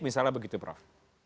misalnya begitu prof